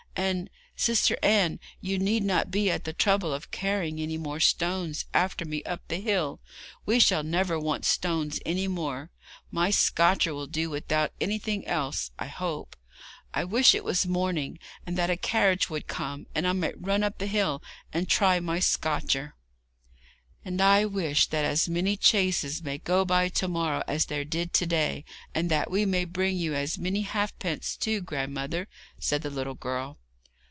And, Sister Anne, you need not be at the trouble of carrying any more stones after me up the hill; we shall never want stones any more. My scotcher will do without anything else, I hope. I wish it was morning, and that a carriage would come, that I might run up the hill and try my scotcher.' [Illustration: "Look, grandmother look at my scotcher!"] 'And I wish that as many chaises may go by to morrow as there did to day, and that we may bring you as many halfpence, too, grandmother,' said the little girl.